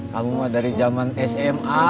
kamu dari zaman sma